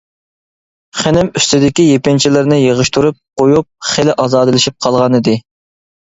خېنىم ئۈستىدىكى يېپىنچىلىرىنى يىغىشتۇرۇپ قويۇپ خېلى ئازادىلىشىپ قالغانىدى.